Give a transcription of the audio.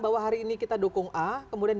bahwa hari ini kita dukung a kemudian